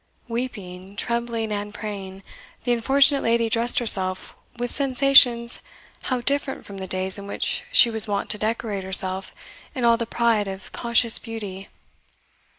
Weeping, trembling, and praying, the unfortunate lady dressed herself with sensations how different from the days in which she was wont to decorate herself in all the pride of conscious beauty!